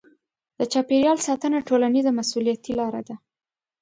د چاپیریال ساتنه ټولنیزه مسوولیتي لاره ده.